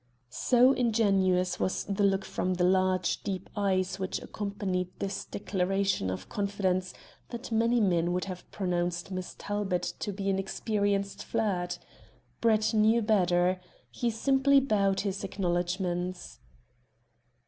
So ingenuous was the look from the large, deep eyes which accompanied this declaration of confidence, that many men would have pronounced Miss Talbot to be an experienced flirt. Brett knew better. He simply bowed his acknowledgements.